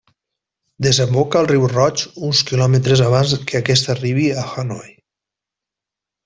Desemboca al riu Roig uns quilòmetres abans que aquest arribi a Hanoi.